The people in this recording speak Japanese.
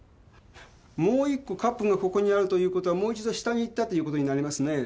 もう１個カップがここにあるということはもう一度下に行ったということになりますね。